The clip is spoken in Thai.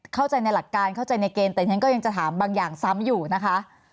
เข้าใจในหลักการเข้าใจในเกณฑ์แต่ฉันก็ยังจะถามบางอย่างซ้ำอยู่นะคะ